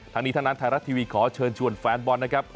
ทั้งนี้ทั้งนั้นไทยรัฐทีวีขอเชิญชวนแฟนบอลนะครับ